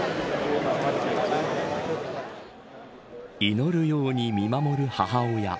祈るように見守る母親。